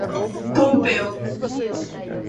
Pompéu